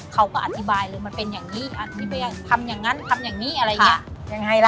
เขาก็อธิบายเลยมันเป็นอย่างงี้อธิบายทำยังงั้นทำยังงี้อะไรอย่างเงี้ย